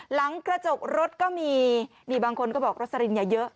หลังกระจกรถก็มีนี่บางคนก็บอกโรสลินอย่าเยอะ